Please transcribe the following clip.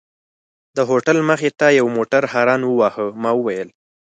د هوټل مخې ته یوه موټر هارن وواهه، ما وویل.